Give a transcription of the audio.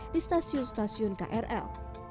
di stasiun stasiun krl